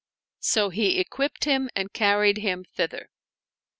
So he equipped him and carried him thither.